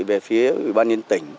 về phía ủy ban nhân tỉnh